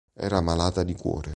Era malata di cuore.